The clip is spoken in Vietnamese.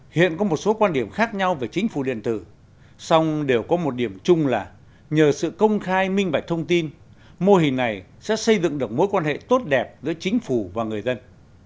hiện có một số quan điểm khác nhau về chính phủ điện tử xong đều có một điểm chung là nhờ sự công khai minh bạch thông tin mô hình này sẽ xây dựng được mối quan hệ tốt đẹp giữa chính phủ và người dân